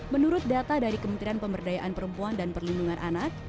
menurut data dari kementerian pemberdayaan perempuan dan perlindungan anak